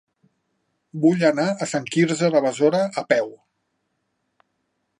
Vull anar a Sant Quirze de Besora a peu.